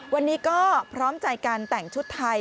วันนี้ก็พร้อมใจการแต่งชุดไทย